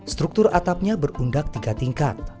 struktur atapnya berundak tiga tingkat